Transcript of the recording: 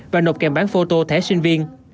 và nộp kèm bán phôto thẻ sinh viên